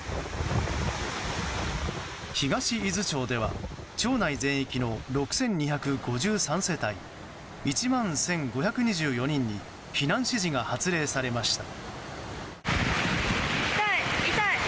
東伊豆町では町内全域の６２５３世帯１万１５２４人に避難指示が発令されました。